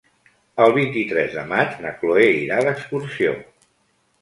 El vint-i-tres de maig na Chloé irà d'excursió.